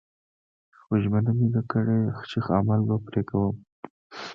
خو ژمنه مې ده کړې چې عمل به پرې کوم